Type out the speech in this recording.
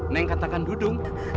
leng katakan dudung